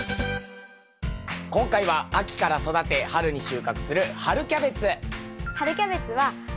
今回は秋から育て春に収穫する春キャベツ。